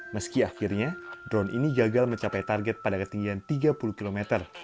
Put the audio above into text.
meski akhirnya drone ini gagal mencapai target pada ketinggian tiga puluh km